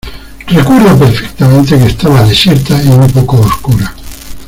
recuerdo perfectamente que estaba desierta y un poco oscura.